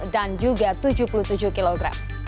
dan juga tujuh puluh tujuh kg